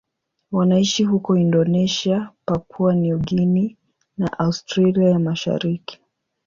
Wanaishi huko Indonesia, Papua New Guinea na Australia ya Mashariki.